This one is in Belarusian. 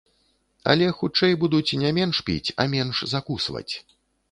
Але, хутчэй, будуць не менш піць, а менш закусваць.